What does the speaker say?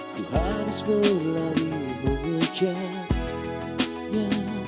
ku harus berlari mengejarnya